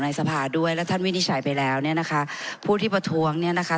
สภาด้วยแล้วท่านวินิจฉัยไปแล้วเนี่ยนะคะผู้ที่ประท้วงเนี่ยนะคะ